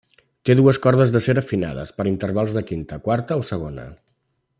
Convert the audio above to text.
Té dues cordes d'acer afinades per intervals de quinta, quarta o segona.